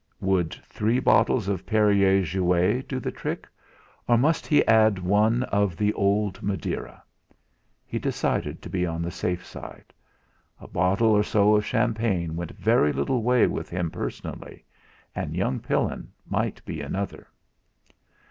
Would three bottles of Perrier Jouet do the trick, or must he add one of the old Madeira? He decided to be on the safe side. A bottle or so of champagne went very little way with him personally, and young Pillin might be another.